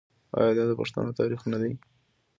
آیا دا د پښتنو تاریخ نه دی؟